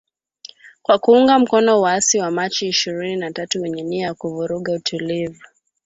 kwa kuunga mkono waasi wa Machi ishirini na tatu wenye nia ya kuvuruga utulivu